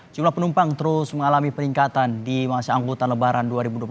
jumlah penumpang terus mengalami peningkatan di masa angkutan lebaran dua ribu dua puluh tiga